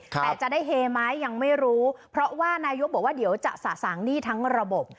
แต่จะได้เฮไหมยังไม่รู้เพราะว่านายกบอกว่าเดี๋ยวจะสะสางหนี้ทั้งระบบ